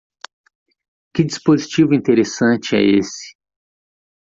Que dispositivo interessante é esse.